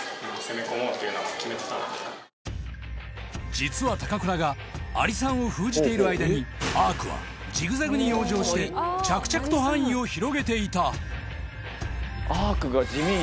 実はたかくらがアリさんを封じている間にアークはジグザグに養生して着々と範囲を広げていたアークが地味に。